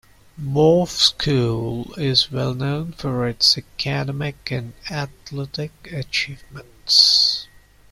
Bawlf School is well known for its academic and athletic achievements.